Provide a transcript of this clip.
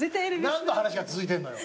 何の話が続いてんのよ。